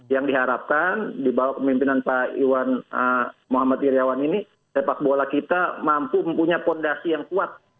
yang diharapkan dibawah pemimpinan pak iwan muhammad iryawan ini sepak bola kita mampu mempunyai fondasi yang kuat